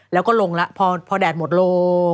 แล้วก็ลงแล้วพอแดดหมดลง